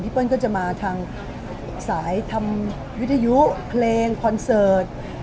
เปิ้ลก็จะมาทางสายทำวิทยุเพลงคอนเสิร์ต